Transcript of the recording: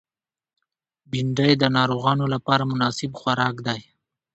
بېنډۍ د ناروغانو لپاره مناسب خوراک دی